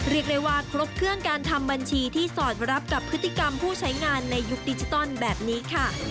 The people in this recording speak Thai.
เรียกได้ว่าครบเครื่องการทำบัญชีที่สอดรับกับพฤติกรรมผู้ใช้งานในยุคดิจิตอลแบบนี้ค่ะ